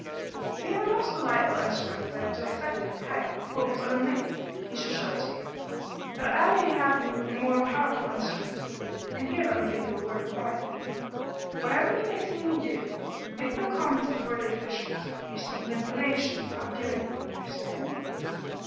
"We have a most delightful instrument of the dissecting type, of Polton's own make he shall show it to you. But I may have need of a more powerful instrument and here let me give you a word of warning: whatever you may see me do, make no comments before the officials. We are seeking information, not giving it, you understand."